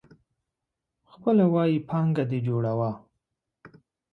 خپله ويي پانګه دي جوړوه.